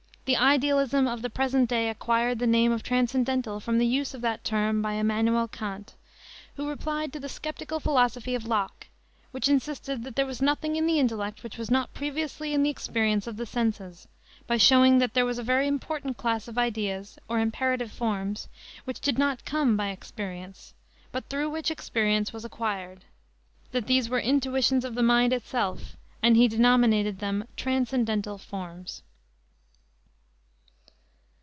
... The idealism of the present day acquired the name of transcendental from the use of that term by Immanuel Kant, who replied to the skeptical philosophy of Locke, which insisted that there was nothing in the intellect which was not previously in the experience of the senses, by showing that there was a very important class of ideas, or imperative forms, which did not come by experience, but through which experience was acquired; that these were intuitions of the mind itself, and he denominated them transcendental forms."